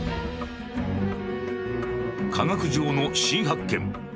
「科学上の新発見」。